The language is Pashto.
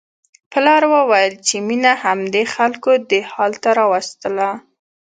پلار وویل چې مينه همدې خلکو دې حال ته راوستله